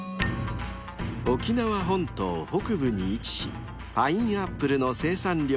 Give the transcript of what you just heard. ［沖縄本島北部に位置しパイナップルの生産量